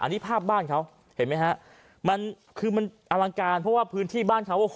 อันนี้ภาพบ้านเขาเห็นไหมฮะมันคือมันอลังการเพราะว่าพื้นที่บ้านเขาโอ้โห